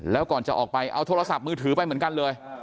แล้วก่อนจะออกไปเอาโทรศัพท์มือถือไปเหมือนกันเลย